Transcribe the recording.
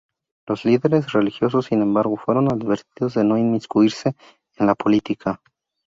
Los líderes religiosos, sin embargo, fueron advertidos de no inmiscuirse en la política.